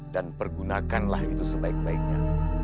dan pergunakanlah itu sebaik baiknya